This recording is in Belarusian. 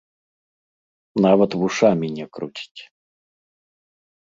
Нават вушамі не круціць.